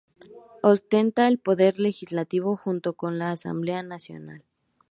Ostenta el poder legislativo junto con la Asamblea Nacional.